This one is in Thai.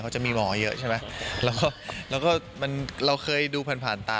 เขาจะมีหมอเยอะใช่ไหมแล้วก็มันเราเคยดูผ่านผ่านตา